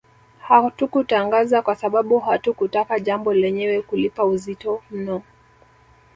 Hatukutangaza kwa sababu hatukutaka jambo lenyewe kulipa uzito mno